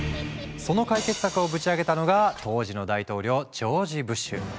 その解決策をぶち上げたのが当時の大統領ジョージ・ブッシュ。